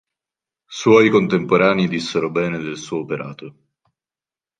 Suoi contemporanei dissero bene del suo operato.